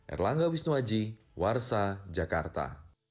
erlangga wisnuwaji warsa jakarta